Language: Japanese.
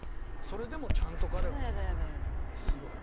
それでもちゃんと彼はすごい。